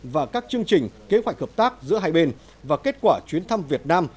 và các chương trình kế hoạch hợp tác giữa hai bên và kết quả chuyến thăm việt nam